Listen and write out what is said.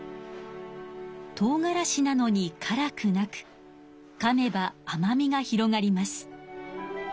とうがらしなのにからくなくかめばあまみが広がります。